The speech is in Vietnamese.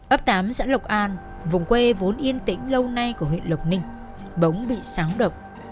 ấp tám dãn lộc an vùng quê vốn yên tĩnh lâu nay của huyện lộc ninh bóng bị sáng đập